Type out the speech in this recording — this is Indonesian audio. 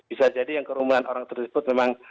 bisa jadi yang kerumunan orang tersebut memang